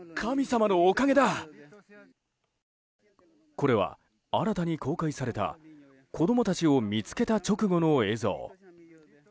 これは新たに公開された子供たちを見つけた直後の映像。